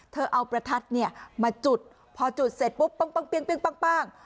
เธอเอาประทัดเนี่ยมาจุดพอจุดเสร็จปุ๊บปังปังเปียงเปียงปังปัง